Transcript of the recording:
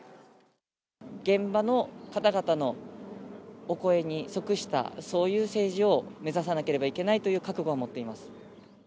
現場の方々のお声に即した、そういう政治を目指さなければいけないという覚悟を持っています。